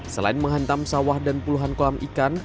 selain menghantam sawah dan puluhan kolam ikan